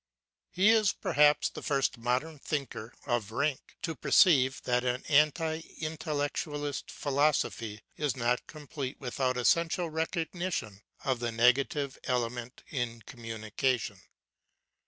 He is perhaps the first modern thinker of rank to perceive that an anti intellectualist philosophy is not complete without essential recognition of the nega tive element in communication.